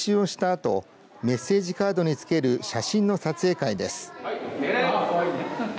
あとメッセージカードに付ける写真の撮影会です。